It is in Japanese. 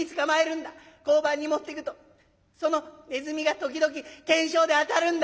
交番に持ってくとそのネズミが時々懸賞で当たるんだ。